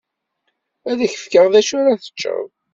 Ad ak-fkeɣ d acu ara teččeḍ.